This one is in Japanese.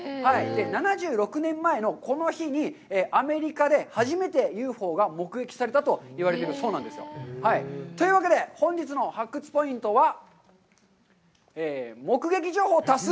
７６年前のこの日にアメリカで初めてＵＦＯが目撃されたといわれてるそうなんですよ。というわけで、本日の発掘ポイントは、「目撃情報多数！？